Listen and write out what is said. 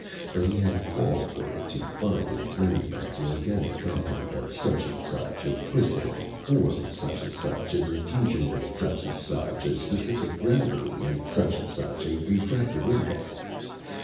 But he had called for it to find, in its memory banks, an organic compound of such and such a crystalline form, such and such a diffusion rate, such and such a specific gravity, and such an such a refractive index.